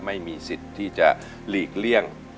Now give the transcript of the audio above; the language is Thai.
ไม่มีสิทธิ์ที่จะหลีกเลี่ยง